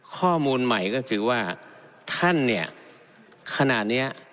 ข้อมูลใหม่ก็คือว่าท่านเนี่ยขณะเนี้ย